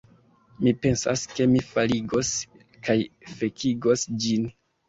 Mi pensas, ke mi faligos kaj fekigos ĝin